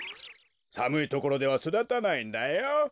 さむいところではそだたないんだよ。